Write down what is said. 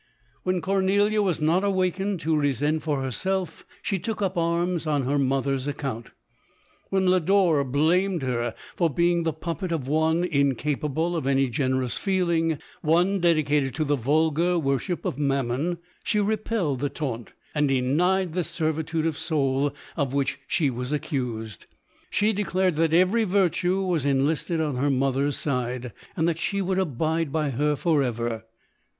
When Cornelia was not awakened to resent for herself, she took up arms on her mother's account. When Lodore blamed her for being the puppet of one incapable of any generous feeling, one dedieated to the vulgar worship of Mammon, she repelled the taunt, and denied the servitude of soul of which she was accused ; she declared that every virtue was en listed on her mother's side, and that she would abide by her for ever.